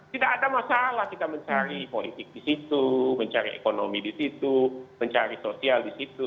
tidak ada masalah kita mencari politik di situ mencari ekonomi di situ mencari sosial di situ